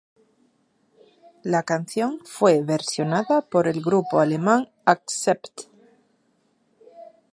La canción fue versionada por el grupo alemán Accept.